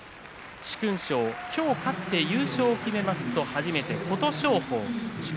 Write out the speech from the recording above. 殊勲賞、今日、勝って優勝を決めますと初めて琴勝峰。